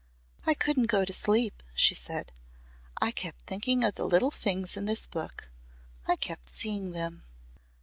"I couldn't go to sleep," she said. "I kept thinking of the little things in this book. I kept seeing them."